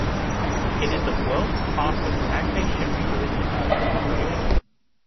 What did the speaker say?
It is the world's fastest anti-ship cruise missile in operation.